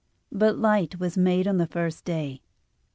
But light was made on the first day.